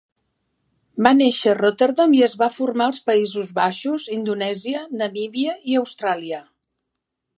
Va néixer a Rotterdam i es va formar als Països Baixos, Indonèsia, Namíbia i Austràlia.